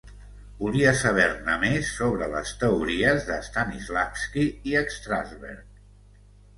Volia saber-ne més sobre les teories de Stanislavski i Strasberg.